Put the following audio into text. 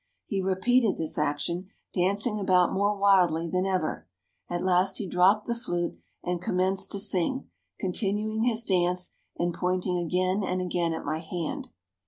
He repeated this action, dancing about more wildly than ever. At last he dropped the flute, and commenced to sing, continuing his dance, and pointing again and again at my hand.